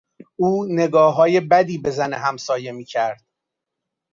او نگاههای بدی به زن همسایه میکرد.